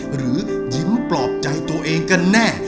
หรือยิ้มปลอบใจตัวเองกันแน่